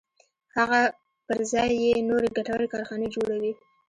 هغه پر ځای یې نورې ګټورې کارخانې جوړوي